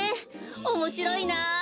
おもしろいな。